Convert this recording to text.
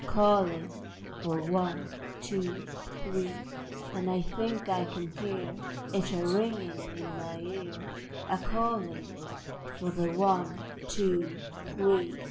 Calling for One, Two, Three! And I think I can hear It a ringing in my ear, A calling for the One, Two, Three.